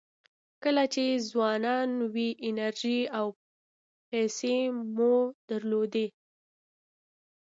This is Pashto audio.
کله چې ځوانان وئ انرژي او پیسې مو درلودې.